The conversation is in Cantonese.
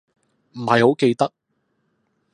唔係好記得